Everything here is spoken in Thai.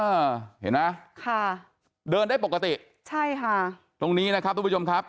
เห็นไหมค่ะเดินได้ปกติใช่ค่ะตรงนี้นะครับทุกผู้ชมครับ